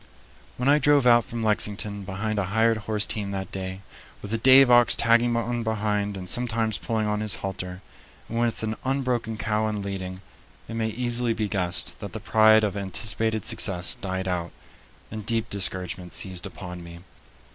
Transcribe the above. When I drove out from Lexington behind a hired horse team that day, with the Dave ox tagging on behind and sometimes pulling on his halter, and with an unbroken cow in leading, it may easily be guessed that the pride of anticipated success died out, and deep discouragement seized upon me.